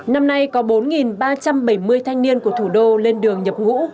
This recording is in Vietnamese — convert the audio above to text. năm nay có bốn ba trăm bảy mươi thanh niên của thủ đô lên đường nhập ngũ